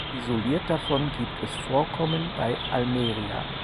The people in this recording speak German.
Isoliert davon gibt es Vorkommen bei Almeria.